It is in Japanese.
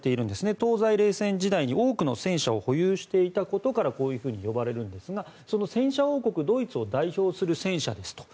東西冷戦時代に多くの戦車を保有していたことからこう呼ばれるんですがその戦車王国ドイツを代表する戦車ですと。